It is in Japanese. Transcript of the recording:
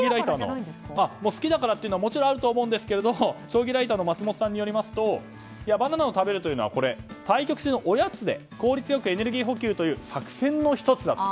好きだからというのももちろんあると思いますが将棋ライターの松本さんによりますとバナナを食べるというのは対局中のおやつで効率良くエネルギー補給という作戦の１つだと。